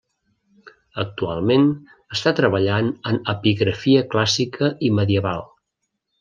Actualment, està treballant en epigrafia clàssica i medieval.